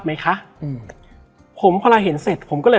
และวันนี้แขกรับเชิญที่จะมาเชิญที่เรา